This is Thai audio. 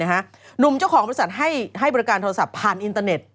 หนุ่มเจ้าของบริษัทให้บริการโทรศัพท์ผ่านอินเตอร์เน็ต